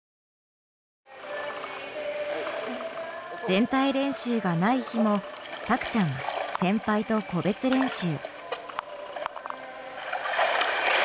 全体練習がない日もたくちゃんは先輩と個別練習。